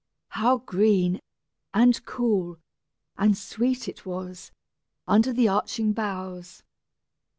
How green, and cool, and sweet it was, under the arching boughs.